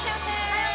はい！